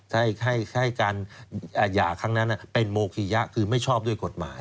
ให้การหย่าครั้งนั้นเป็นโมคิยะคือไม่ชอบด้วยกฎหมาย